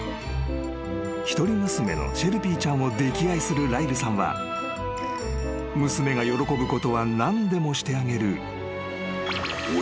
［一人娘のシェルピーちゃんを溺愛するライルさんは娘が喜ぶことは何でもしてあげる］